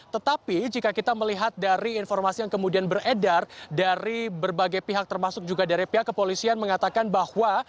tetapi jika kita melihat dari informasi yang kemudian beredar dari berbagai pihak termasuk juga dari pihak kepolisian mengatakan bahwa